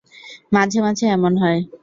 মাঝে মাঝে এমন হয়।